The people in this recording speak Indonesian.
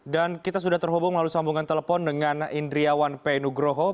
dan kita sudah terhubung melalui sambungan telepon dengan indriawan penugroho